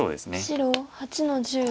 白８の十。